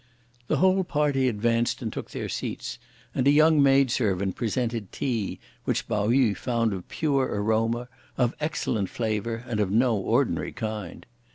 The whole party advanced and took their seats, and a young maidservant presented tea, which Pao yü found of pure aroma, of excellent flavour and of no ordinary kind.